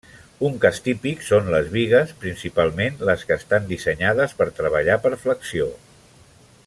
Un cas típic són les bigues, principalment, les que estan dissenyades per treballar per flexió.